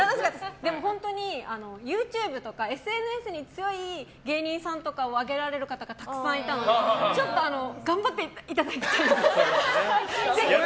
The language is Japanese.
本当にＹｏｕＴｕｂｅとかＳＮＳに強い芸人さんを挙げられる方がたくさんいたのでちょっと頑張っていただきたい。